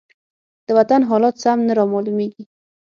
د وطن حالات سم نه رامالومېږي.